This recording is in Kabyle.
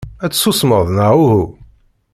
Ad tsusmeḍ neɣ uhu?